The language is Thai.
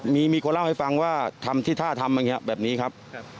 มีคนเล่าให้ฟังว่าทำที่ท่าทำอย่างนี้แบบนี้ครับ